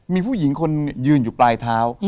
มีผู้หญิงคนยืนอยู่ปลายเท้า